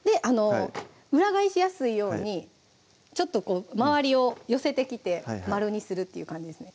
裏返しやすいようにちょっと周りを寄せてきて丸にするっていう感じですね